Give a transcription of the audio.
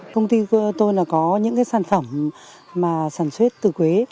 công ty tôi có những sản phẩm sản xuất từ quế